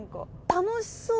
楽しそう。